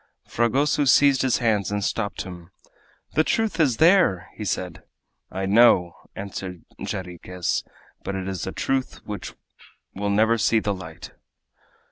Fragoso seized his hands and stopped him. "The truth is there!" he said. "I know," answered Jarriquez; "but it is a truth which will never see the light!"